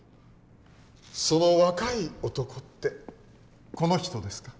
その若い男ってこの人ですか？